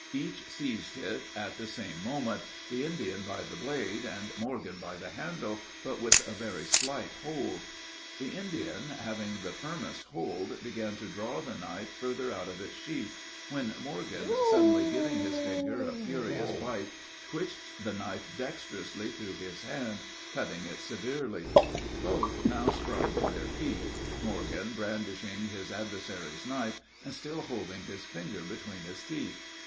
Each seized it at the same moment, the Indian by the blade, and Morgan by the handle, but with a very slight hold. [Illustration: THE LAST SHOT.] The Indian, having the firmest hold, began to draw the knife further out of its sheath, when Morgan, suddenly giving his finger a furious bite, twitched the knife dexterously through his hand, cutting it severely. Both now sprung to their feet, Morgan brandishing his adversary's knife, and still holding his finger between his teeth.